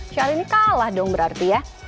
challey ini kalah dong berarti ya